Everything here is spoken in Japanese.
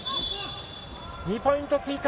２ポイント追加。